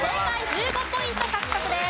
１５ポイント獲得です。